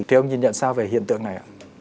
thì ông nhìn nhận sao về hiện tượng này